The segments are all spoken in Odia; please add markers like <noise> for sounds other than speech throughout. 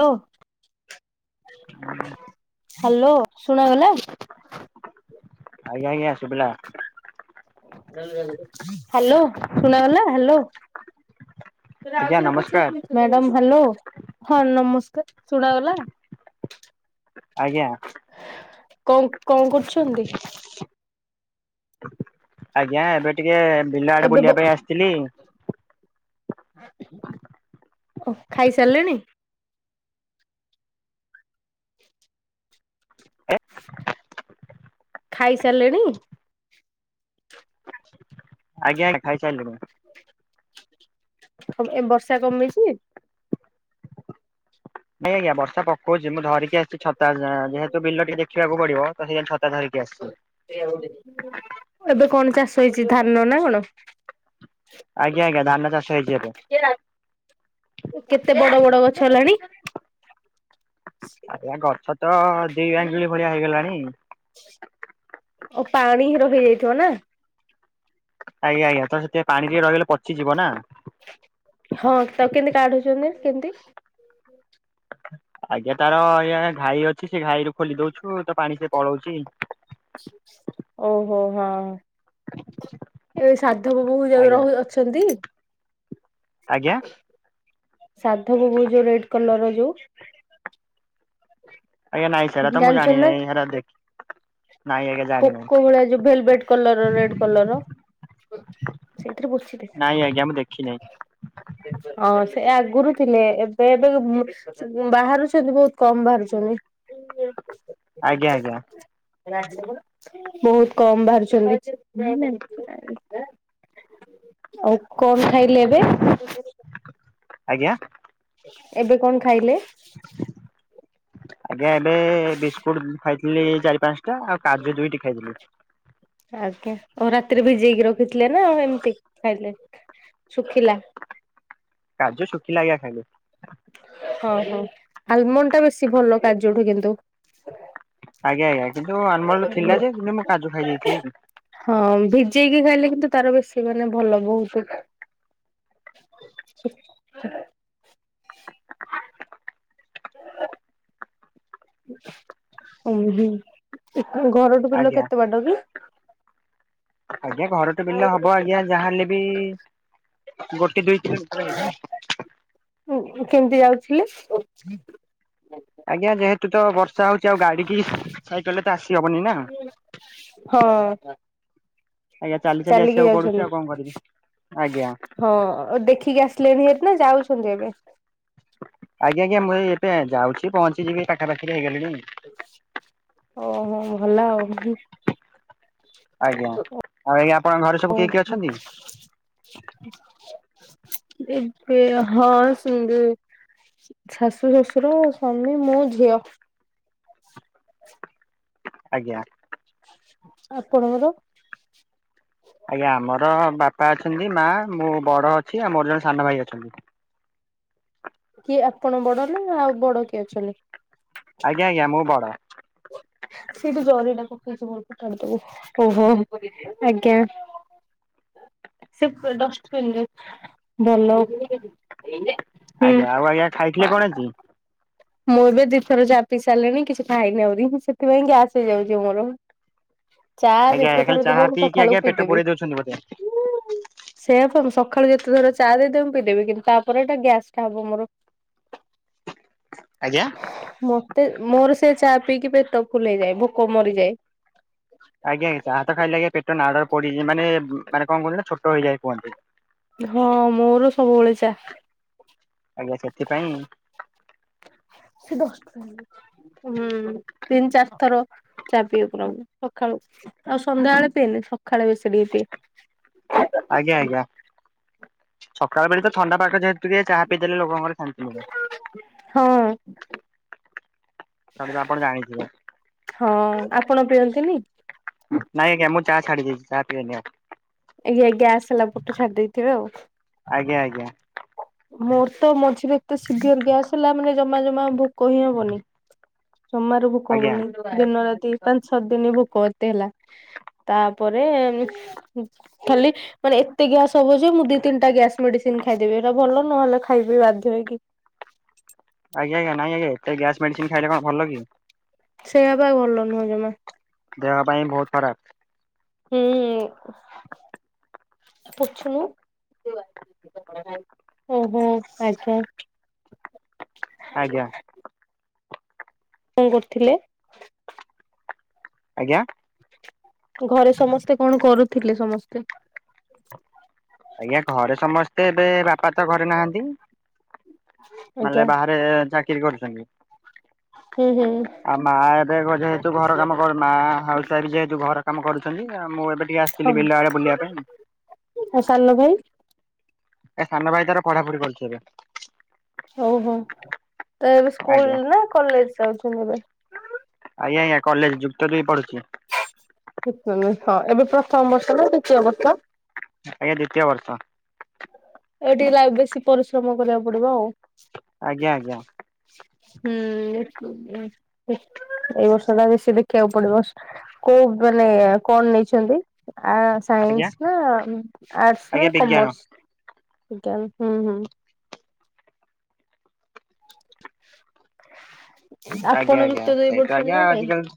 ହାଲୋ ହ୍ୟାଲୋ ଶୁଣାଗଲା? ଆଜ୍ଞା ଆଜ୍ଞା ସୁବିଲା। ହ୍ୟାଲୋ ସୁଣାଗଲା ହ୍ୟାଲୋ? ଆଜ୍ଞା ନମସ୍କାର ମ୍ୟାଡ଼ାମ ହାଲୋ ହଁ ନମସ୍କାର ଶୁଣାଗଲା? ଆଜ୍ଞା। କଣ କଣ କରୁଛନ୍ତି? ଆଜ୍ଞା ଏବେ ଟିକେ ବିଲ ଆଡେ ଏବେ ବ ବୁଲିବା ପାଇଁ ଆସିଥିଲି। ଓ ଖାଇସାରିଲେଣି? ଏ ଖାଇସାରିଲେଣି? ଆଜ୍ଞା ଖାଇସାରିଲିଣି। ଏ ବର୍ଷା କମିଛି? ନାଇଁ ଆଜ୍ଞା ବର୍ଷା ପ କହୁଛି ମୁଁ ଧରିକି ଆସିଛି ତା ଯେହେତୁ ବିଲ ଟିକେ ଦେଖିବାକୁ ପଡିବ ତ ସେଇ ତା ଧରିକି ଆସିଛି। ଏବେ କଣ ଚାଷ ହେଇଛି ଧାନ ନା କଣ? ଆଜ୍ଞା ଆଜ୍ଞ ଧାନ ଚାଷ ହୋଇଚି ଏବେ। କେତେ ବଡ ବଡ ଗଛ ହେଲାଣି? ଆଜ୍ଞା ଗଛ ତ ଦି ଆଙ୍ଗୁଳି ଭଳିଆ ହେଇଗଲାଣି। ଓ ପାଣି ହି ରହିଯାଇଥିବ ନା। ଆଜ୍ଞା ଆଜ୍ଞା ତ ସେଥି ପାଣି ଟିକିଏ ରହଗଲେ ପଚିଯିବ ନା। ହଁ ତାକୁ କେମିତି କାଢୁଛନ୍ତି କେମତି? ହୁଁ। ଆଜ୍ଞା ତାର ଆଜ୍ଞା ଘାଇ ଅଛି ସେ ଘାଇ ରୁ ଖୋଲି ଦଉଛୁ ତ ପାଣି ସେ ପଳଉଚି। ଓହୋ ହଁ ଏବେ ସାଧବ ବହୁ ଯ ଆଜ୍ଞା ରହୁ ଛନ୍ତି। ଆଜ୍ଞା। ସାଧବ ବୋହୁ ଯୋଉ ରେଡ କଲର ର ଯୋଉ। ଆଜ୍ଞା ନାଇଁ ସେରା ତ ମୁଁ ଜାଣିଛନ୍ତି ନା ଜାଣିନେଇ ହେରା ଦେଖି ନାଇଁ ଆଜ୍ଞା। ଜାଣିନାହିଁ ପୋକ ଭଳିଆ ଯୋଉ ଭେଲଭେଟ୍ କଲର ରେଡ୍ କଲର। ସେଇଥିରେ ପୋଛିଦେ। ନାଇଁ ଆଜ୍ଞା ମୁଁ ଦେଖି ନେଇଁ। ହଁ ସେ ଆଗୁରୁ ଥିଲେ ଏବେ ଏବେ ବାହାରୁଛନ୍ତି ବହୁତ କମ ବାହାରୁଛନ୍ତି। ଆଜ୍ଞା ଆଜ୍ଞା। ରାଜ୍ୟ ବହୁତ କମ ବାହାରୁଛନ୍ତି। ଆଉ କନ୍ ଖାଇଲେ ଏବେ? ଆଜ୍ଞା? ଏବେ କଣ ଖାଇଲେ? ଆଜ୍ଞା ଏବେ ବିସ୍କୁଟ ଖାଇଥିଲି ଚାରି ପାଞ୍ଚଟା ଆଉ କାଜୁ ଦୁଇଟି ଖାଇଥିଲି। ଆଜ୍ଞା ଆଉ ରାତିରେ ଭିଜେଇକି ରଖିଥିଲେ ନା, ଏମିତି ଖାଇଲେ ଶୁଖିଲା। କାଜୁ ଶୁଖିଲା ଆ ଖାଇଲେ। ହଁ ହଁ ଆଲମଣ୍ଡ ଟା ବେଶୀ ଭଲ କାଜୁଠୁ କିନ୍ତୁ। ଆଜ୍ଞା ଆଜ୍ଞା କିନ୍ତୁ ଆଲମଲଡ ଥିଲା ଯେ କିନ୍ତୁ ମୁଁ କାୁଜୁ ଖାଇ ଦେଇଥିଲି। ହଁ ଭିଜେଇକି ଖାଇଲେ କିନ୍ତୁ ତାର ବେଶୀ ମାନେ ଭଲ ବହୁତ। <unintelligible> ଉଁ ହୁଁ, ଘରଠୁ ବିଲ ଆଜ୍ଞା କେତେ ବାଟ କି? ଆଜ୍ଞା ଘରଟେ ବିଲ ହବ ଆଜ୍ଞା ଯାହାହେଲେ ବି ଗୋଟେ ଦୁଇ ତିନ କିଲୋମିଟର ହେଇଯିବ। ଉଁ ଉଁ, କେମତି ଯାଉଥିଲେ? ଆଜ୍ଞା ଯେହେତୁ ତ ବର୍ଷା ହଉଛି ଆଉ ଗାଡି କି ସାଇକେଲ ରେ ତ ଆସି ହବନି ନା। ହଁ। ଆଜ୍ଞା ଚାଲି ଚାଲି ଚାଲିକି ଆସିବାକୁ ପଡୁଛି ଆଉ କଣ କରିବି ଯାଉଛନ୍ତି ଆଜ୍ଞା। ହଁ ଦେଖିକି ଆସ ଆସିଲେଣି ହେରୀ ନା ଯାଉଛନ୍ତି ଏବେ? ଆଜ୍ଞା ଆଜ୍ଞା ମୁ ଏଇ ପା ଯାଉଛି ପହଞ୍ଚିିବି ପାଖା ପାାଖିରେ ହେଇଗଲିଣି। ଓହୋ ଭଲ ଆଉ। ଆଜ୍ଞା ଆଉ ଆଜ୍ଞା ଆପଣଙ୍କ ଘରେ ଓ ସବୁ କିଏ କିଏ ଅଛନ୍ତି? ଏବେ ହଁ ସୁନ୍ଦ ଶାଶୁ, ଶ୍ୱଶୁର, ସ୍ୱାମୀ ମୁଁ ଝିଅ। ଆଜ୍ଞା। ଆପଣଙ୍କର? ଆଜ୍ଞା ଆମର ବାପା ଅଛନ୍ତି, ମା ମୁଁ ବଡ ଅଛି ଆଉ ମୋର ଜଣେ ସାନ ଭାଇ ଅଛନ୍ତି। କିଏ ଆପଣ ବଡ ନା ଆଉ ବଡ କିଏ ଅଛନ୍ତି? ଆଜ୍ଞା ଆଜ୍ଞା ମୁଁ ବଡ। ସେଇ ତୁ ଜରିଟା ପକେଇ <unintelligible> ଆଜ୍ଞା। ସେ ପ ଡଷ୍ଟବିନରେ ଭଲ <inaudible> ଆଜ୍ଞା ଆଉ ଆଜ୍ଞା ଖାଇଥିଲେ କଣ ଆଜି? ମୁଁ ଏବେ ଦିଥର ଚା ପି ସାରିଲିଣି କିଛି ଖାଇନି ଆହୁରି ସେଥିପାଇଁ ଗ୍ୟାସ ହେଇ ଯାଉଛି ମୋର। ଚା ଆଜ୍ଞା ଯେତେ ଥର ଖାଲି ଦବ ଚାହା ମୁଁ ପିଇକି ସକାଳୁ ଆଜ୍ଞା ପେଟ ପୂରେଇ ଦଉଛନ୍ତି ବୋଧେ? ସେଆ ଫା ମୁଁ ସକାଳେୁ ଯେତେଥର ଚା ଦେଇଦବ ମୁ ପିଦେବି କିନ୍ତୁ ତାପରେ ଏଟା ଗ୍ୟାସ୍ ଟା ହବ ମୋର। ଆଜ୍ଞା। ମତେ ମୋର ସେ ଚା ପିଇକି ପେଟ ଫୁଲେଇ ଯାଏ ଭୋକ ମରିଯାଏ। ଆଜ୍ଞା ଏ ଚା ତ ଖାଇଲେ ଆଜ୍ଞା ପେଟ ନାଡରେ ପଡିଛି ମାନେ ଉ ମାନେ କଣ କୁହନ୍ତି ନା ଛୋଟ ହେଇଯଏ କୁହନ୍ତି। ହଁ ମୋର ସବୁବେଳେ ଚା। ଆଜ୍ଞା ସେଥିପାଇଁ ସେ ଦସ୍ ହୁଁ ତିନି ଚାରିଥର ଚା ପିବି ପୂରା ମୁଁ ସକାଳୁ। ଆଉ ସନ୍ଧ୍ୟାବେଳେ ପିଏନି ସକାଳେ ବେଶୀ ଟିକେ ପିଏ। ଆଜ୍ଞା ଆଜ୍ଞା ସକାଳ ବେଳେ ତ ଥଣ୍ଡା ପାଠ ଯେହେତୁ ଟି ଚାହା ପିଇଦେଲେ ଲୋକଙ୍କର ଶାନ୍ତି ମିଳେ। ହଁ। ତାପରେ ଆପଣ ଜାଣିଥିବେ। ହଁ ଆପଣ ପିଅନ୍ତିନି? ନାଇଁ ଆଜ୍ଞା ମୁଁ ଚା ଛାଡ଼ି ଦେଇଛି ଚାହା ପିଉନି ଆଉ। ଆଜ୍ଞା ଗ୍ୟାସ ହେଲା ପରଠୁ ଛାଡି ଦେଇଥିବେ ଆଉ। ଆଜ୍ଞା ଆଜ୍ଞା ମୋର ତ ମଝିରେ ଏତେ ସିଭିିୟର ଗ୍ୟାସ୍ ହେଲା ମାନେ ଜମା ଜମା ଭୋକ ହିଁ ହବନି। ଜମାରୁ ଭୋକ ଆଜ୍ଞା। ହବନି। ଦିନ ରାତି ପାଞ୍ଚ ଛଅ ଦିନ ଭୋକ ଏତେ ହେଲା ତାପରେ ଏମ୍ ତିି ଖାଲି ମାନେ ଏତେ ଗ୍ୟାସ ହବ ଯେ ମୁଁ ଦି ତିନିଟା ଗ୍ୟାସ ମେଡିସିନ ଖାଇଦେବି ଇରା ଭଲ ନହେଲେ ଖାଇବି ବାଧ୍ୟ ହେଇକି। ଆଜ୍ଞା ଆଜ୍ଞାା ନାଇଁ ଆଙ୍ଗେ ଏତେ ଗ୍ୟାସ୍ ମେଡ଼ିସି ଖାଇଲେ କଣ ଭଲ କି? ସେୟା ବା ଭଲ ନୁହଁ ଜମା। ଦେହ ପାଇଁ ବହୁତ ଖରାପ। ହୁଁ <inaudible> ପୁଛୁନୁ। ଓ ହୋ ଆଜ୍ଞା। ଆଜ୍ଞା। କ କରୁଥିଲେ? ଆଜ୍ଞା। ଘରେ ସମସ୍ତେ କଣ କରୁଥିଲେ ସମସ୍ତେ। ଆଜ୍ଞା ଘରେ ସମସ୍ତେ ଏବେ ବାପା ତ ଘରେ ନାହାନ୍ତି। ମାଲେ ଆଜ୍ଞା ବାହାରେ ଚାକିରୀ କରିଛନ୍ତି। ହୁଁ ହୁଁ। ଆଉ ମା ଏବେ ଘ ଯେହେତୁ ଘର କାମ କ ମା ହାଉସ ୱାଇଫ ଯେହେତୁ ଘର କାମ କରୁଛନ୍ତି ଆ ମୁଁ ଏବେ ଟିକେ ଆସିି ହଁ ଥିଲି ବିଲାଆଡେ ବୁଲିବା ପାଇଁ। <unintelligible> ସାନ ଭାଇ। ଏ ସାନ ଭାଇ ତାର ପଢାପଢି କରୁଛି ଏବେ। ହଉ ହୋଉ ତ ଏବେ ସ୍କୁଲ ଆଜ୍ଞା ନା କଲେଜ ଯାଉଛନ୍ତି ଏବେ। ଆଜ୍ଞା ଆଜ୍ଞା କଲେଜ ଯୁକ୍ତଦୁଇ ପଢୁଛି। <inaudible> ହଁ ଏବେ ପ୍ରଥମ ବର୍ଷ ନା ଦ୍ୱିତୀୟ ବର୍ଷ। ଆଜ୍ଞା ଦ୍ଵିତୀୟ ବର୍ଷ। ଏ ଟିକେ ଲାଇଫ ରେ ବେଶୀ ପରିଶ୍ରମ କରିବାକୁ ପଡିବ ଆଉ। ଆଜ୍ଞା ଆଜ୍ଞା। ହୁଁ ଏଇ ବର୍ଷ ଟା ବେଶୀ ଦେଖିବାକୁ ପଡିବ। କୋଉ ମାନେ କଣ ନେଇଛନ୍ତି ଆ ଆଜ୍ଞା ସାଇନ୍ସ ନା ଆର୍ଟସ ନା ଆଜ୍ଞା ବିଜ୍ଞାନ କମର୍ସ ଆଜ୍ଞା ହୁଁ ହୁଁ। ଆଜ୍ଞା ଆପଣ ଆଜ୍ଞା ଯୁକ୍ତଦୁଇ ସେଇତ ପଢ଼ୁଚନ୍ତି ଆଜ୍ଞା ନା ନାଇଁ? ଆଜିକାଲି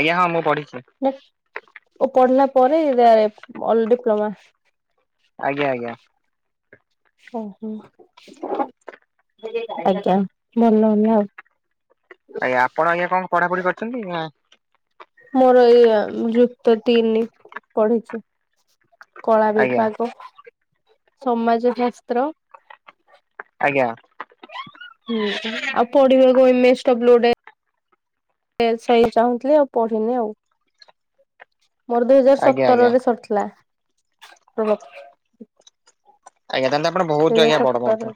ଆଜ୍ଞା ହଁ ମୁଁ ପଢ଼ିଚି। ନା ମୁଁ ପଢିଲା ପରେ ଅଲ ଡିପ୍ଲୋମା। ଆଜ୍ଞା ଆଜ୍ଞା। ଓ ହୁଁ। <unintelligible> ଆଜ୍ଞା ଭଲ ହେଲା ଆଉ। ଆଜ୍ଞା ଆପଣ ଆଜ୍ଞ କଣ ପଢାପଢି କରିଚନ୍ତି ନାଇଁ। ମୋର ଏଇ ଯୁକ୍ତ ତିନି ପଢିଚି। କଳା ଆଜ୍ଞା ବିଭାଗ ସମାଜ ଶସ୍ତ୍ର। ଆଜ୍ଞା। ହୁଁ ଆଉ ପଢିବାକୁଏମେ ଷ୍ଟପ୍ ଲୋ ଗୋଟ ସେ ସେଇ ଚାହୁଁଥିଲେ ଆଉ ପଢିନି ଆଉ। ମୋର ଦୁଇ ହଜାର ଆଜ୍ଞା ଆଜ୍ଞା ସତରରେ ସରିଥିଲା ରୋ ଆଜ୍ଞା ତାହେଲେ ତ ବୋହୁତ ହଜାର ବଡ ସତରରେ। ମୋଠୁ।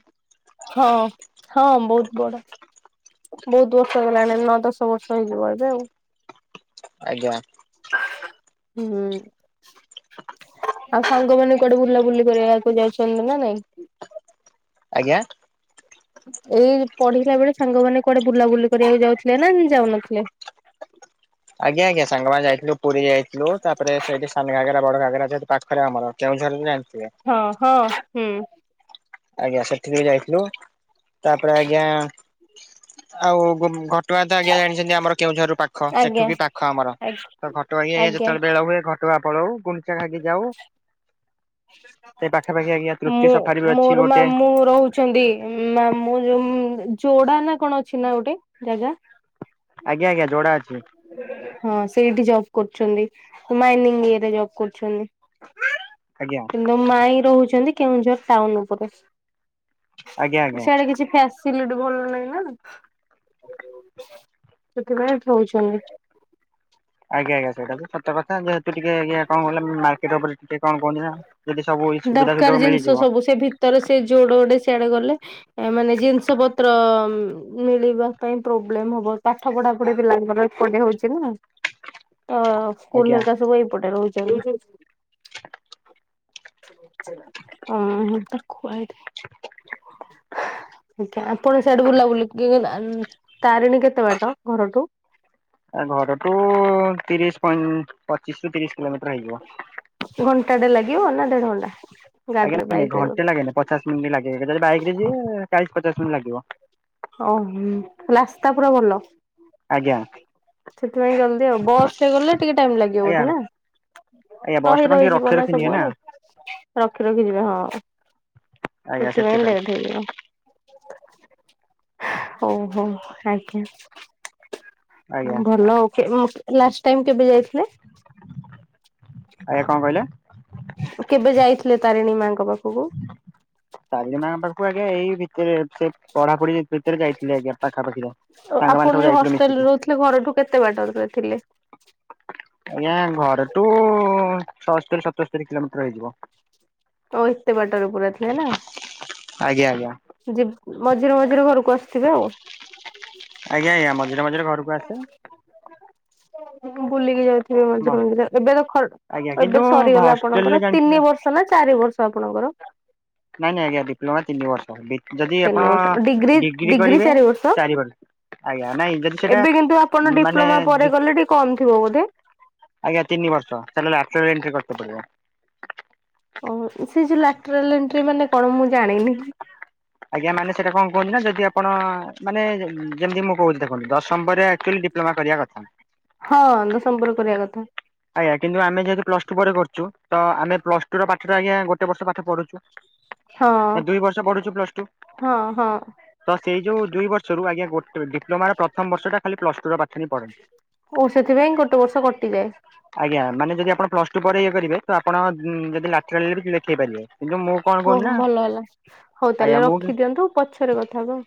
ହଁ ହଁ ବୋଉତ ବଡ। ବୋହୁତ ବର୍ଷ ଗଲାଣି ନଅ ଦଶ ବର୍ଷ ହେଇଯିବ ଆଉ। ଆଜ୍ଞା। ହୁଁ। ଆଉ ସାଙ୍ଗ ମାନ କୁଆଡେ ବୁଲାବୁଲି କରିବାକୁ ଯାଉଛନ୍ତି ନା ନାଇଁ। ଆଜ୍ଞା। ଏଇ ପଢିଲା ବେଳେ ସାଙ୍ଗମାନେ କୁଆଡେ ବୁଲାବୁଲି କରିବାକୁ ଯାଉଥିଲେ ନା ଯାଉନଥିଲେ? ଆଜ୍ଞା ଆଜ୍ଞା ସାଙ୍ଗମାନେ ଯାଇଥିଲୁ ପୁରୀ ଯାଇଥିଲୁ ତାପରେ ସେଇଠି ସାନ ଘାଗରା ବଡ ଘାଗରା ଜେହେତୁ ପାଖରେ ଆମର କେଉଁଝର ବି ଜାଣିଥିବେ? ହଁ ହଁ ହୁଁ। ଆଜ୍ଞା ସେଠି ବି ଯାଇଥିଲୁ ତାପରେ ଆଜ୍ଞା ଆଉ ଘଟଗାଁ ତ ଆଜ୍ଞା ଜାଆଣିଚନ୍ତି ଆମର କେଉଁଝରରୁ ପାଖ ସେଠୁ ଆଜ୍ଞା ବି ପାଖ ଆମର ତ ଘଟଗାଁ ଏ ଏ ଆଜ୍ଞା। ଯେତେବେଳେ ହୁଏ ଘ୍ ଘଟଗାଁ ପଳଉ ଗୁଣ୍ଡଚା ଖାଇକି ଯାଉ। ସେଇ ପାଖାପାଖି ଆଜ୍ଞା ତୃପ୍ତି ମୁଁ ସଫାରି ବି ଅଛି ମୋର ଗୋଟେ ମାମୁଁ ରହୁଛନ୍ତି ମାମୁଁ ଯୋଉ ଯୋଡା ନା କଣ ଅଛି ନା ଗୋଟେ ଜାଗା? ଆଜ୍ଞା ଆଜ୍ଞା ଯୋଡା ଅଛି। ହଁ ସେଇଠି ଜବ କରୁଚନ୍ତିି ମାଇନିଙ୍ଗ ଇଏରେ ଜବ କରୁଚନ୍ତି। ଆଜ୍ଞା। ମୋ ମାଇଁ ରହୁଛନ୍ତି କେଉଁଝର ଟାଉନ ଉପରେ ଆଜ୍ଞା ଆଜ୍ଞା ସେଆଡେ କିଛି ଖା ସିଲିଟି ଭଲ ନାଇଁ ନା ସେଥିପାଇଁ ଥୋଉଚନ୍ତି। ଆଜ୍ଞା ଆଜ୍ଞା ସେଇଟା ସତ କଥା। ଟିକେ ଆଜ୍ଞା କଣ କିଲ ମାର୍କେଟ ଉପରେ ଟିକେ କଣ କହନ୍ତି ନା ଯଦି ସବୁ ସୁବିଧାରେ ସୁଯୋଗ ମିଳିଯିବ। ତାର ସେ ଯୋଡ ଗୋଟେ ସିଆଡେ ଗଲେ। ଏ ମାନେ ଜିନିଷ ପତ୍ର ମିଳିବା ପାଇଁ ପ୍ରୋବ୍ଲେମ ହବ ତାକ୍ ପାଠ ପଢାପଢି ପିଲାଙ୍କର ଏପଟେ ହଉଚି ନା, ତ ସ୍କୁଲ ଆଜ୍ଞା ରେ ସବୁ ଏଇପଟେ ରହୁଛନ୍ତି। <unintelligible> ତାକୁ ଖୁଆଇଦିଏ। <inaudible> ଆଜ୍ଞା। ଆପଣ ସେଆଡୁ ବୁଲାବୁଲି କି ତାରିଣୀ କେତେ ବାଟ ଘରଠୁ? ଘର ଠୁ ତିରିଶ ପଇଁ ପଚିଶ ରୁ ତିରିଶ କିଲୋମିଟର ହେଇଯିବ। ଘଣ୍ଟାଟେ ଲାଗିବ ନା ଦେଢ଼ ଘଣ୍ଟା? ଗାଡିରେ ଆଜ୍ଞା ବାଇକ ରେ ଘଣ୍ଟେ ଲାଗେନି। ପଚାଶ ମିନିଟ୍ ଲାଗେ। ଯଦି ବାଇକରେ ଯିବେ ଚାଳିଶ୍ ପଚାଶ୍ ମିନିଟ୍ ଲାଗିବ। <unintelligible> ରାସ୍ତା ପୁରା ଭଲ? ଆଜ୍ଞା ସେଥିପାଇଁ ଜଲଦି ଆଉ। ବସ୍ ରେ ଗଲେ ଟିକେ ଟାଇମ ଲାଗିିବ ଆଜ୍ଞା ବୋଧେ ନା? ଆଜ୍ଞା ବସ୍ ଟା ରହି କଣ ଟିକେ ରଖି ରହିଯିବ ନା ରଖି ନିଏ ସବୁଆଡେ ରଖି ରଖିଯିବେ ହଁ। ସେଥିପାଇଁ ଲେଟ୍ ହେଇଯିବ। ଓହୋ ଆଜ୍ଞା। ଆଜ୍ଞା ଭଲ <unintelligible> ଲାଷ୍ଟ ଟାଇମ କେବେ ଯାଇଥିଲେ? ଆଜ୍ଞା କଣ କହିଲେ? କେବେ ଯାଇଥିଲେ ତାରିଣୀ ମାଙ୍କ ପାଖକୁ? ତାରିଣୀ ମା ଙ୍କ ପାଖକୁ ଆଜ୍ଞା ଏଇ ଭିତରେ ସେ ପଢାପଢି ଭିତରେ ଯାଇଥିଲେ ଆଜ୍ଞା ପାଖାପାଖି ତ। ଆପଣ ଯୋଉ ହଷ୍ଟେଲରେ ରହୁଥିଲେ ଘରଠୁ କେତେ ବାଟରେ ପ୍ରାୟ ଥିଲେ? ଆଜ୍ଞା ଘରଠୁ ଛଅସ୍ତରୀ ସତସ୍ତରୀ କିଲୋମିଟର ହେଇଯିବ। ତ ଏତେ ବାଟରେ ପୁରା ଥିଲେ ନା। ଆଜ୍ଞା ଆଜ୍ଞା। ଯିବ୍ ମଝିରେ ମଝିରେ ଘରକୁ ଆସୁ <unintelligible> ଆଜ୍ଞା ଆଜ୍ଞା ମଝିରେ ମଝିରେ ଘରକୁ ଆସେ। ମୁଁ ବୁଲିକି ଯାଉ ଏବେ ମଝିରେ ମଝିରେ ଏବେ ତ ଖ ଆଜ୍ଞା କିନ୍ତୁ ଏବେ ସରିଗଲା ତ ହଷ୍ଟେଲ ରେ ଆପଣଙ୍କର ଜାଣିଛ ତିନି ବର୍ଷ ର୍ଷ ନା ଚାରି ବର୍ଷ ଆପଣଙ୍କର? ନାଇଁ ନାଇଁ ଆଜ୍ଞା ଡିପ୍ଲୋମା ତିନି ବର୍ଷ। ଡି ଯଦି ତିନି ବର୍ଷ ଆପଣ ଡିଗ୍ରୀ କରିବେ ଚାରି ବର୍ଷ? ଚାରିବର୍ଷ। ଆଜ୍ଞା। ନାଇଁ ଯଦି ସେଟା ଏବେ କିନ୍ତୁ ଆପଣ ମାନେ ଡିପ୍ଲୋମା ପରେ ଯୁ ଗଲେ ଟିକେ କମ ଥିବ ବୋଧେ? ଆଜ୍ଞା ତିନିବର୍ଷ। ତାହେଲେ ଲାଟେରାଲ୍ ଏଣ୍ଟ୍ରି କରତେ ପଡିବ। ଓହୋ। ସେ ଯୋଉ ଲାଟେରାଲ୍ ଏଣ୍ଟ୍ରି ମାନେ କଣ ମୁଁ ଜାଣିନି। ଆଜ୍ଞା ମାନେ ସେଇଟା କଣ କୁହନ୍ତି ନା ଯଦି ଆପଣ ମାନେ ଯେମିତି ମୁଁ କହୁଚି ଦେଖନ୍ତୁ ଦଶମ ପରେ ଆକଚୁଆଲି ଡି ଡିପ୍ଲୋମା କରିବା କଥା। ହଁ ଦଶମ ପରେ କରିବା କଥା। ଆଜ୍ଞା। କିନ୍ତୁ ଆମେ ଯେହେତୁ ପ୍ଲସ ଟୁ ପରେ କରୁଚୁ ତ ଆମେ ପ୍ଲସ ଟୁ ର ପାଠଟା ଆଜ୍ଞା ଗୋଟେ ବର୍ଷ ପାଠ ପଢୁଚୁ। ଆ ହଁ ଦୁଇ ବର୍ଷ ପଢୁଚୁ ପ୍ଲସ ଟୁ। ହଁ ହଁ। ତ ସେଇ ଯୋଉ ଦୁଇ ବର୍ଷରୁ ଆଜ୍ଞା ଗଟେ ଡିପ୍ଲୋମାର ପ୍ରଥମ ବର୍ଷଟା ଖାଲି ପ୍ଲସ୍ ଟୁ ର ପାଠ ହିଁ ପଢନ୍ତି। ଓ ସେଥିପାଇଁ ଗୋଟେ ବର୍ଷ କଟିଯାଏ। ଆଜ୍ଞା। ମାନେ ଯଦି ଆପଣ ପ୍ଲସ ଟୁ ପରେ ଇଏ କରିବେ ତ ଆପଣ ଯଦି ଲାଟେରାଲ୍ ରେ ବି ଲେଖେଇ ପାରିବେ। କିନ୍ତୁ ମୁଁ କଣ ହଉ କହୁଛି ନା ଭଲ ହେଲା। ହଉ ଆଜ୍ଞା ତାହେଲେ ମୁଁ ରଖିଦିଅନ୍ତୁ ପଛରେ କଥାହବା।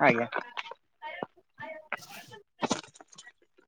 ଆଜ୍ଞା। <inaudible>